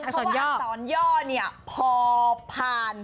อักษรย่อเนี่ยพอผ่าน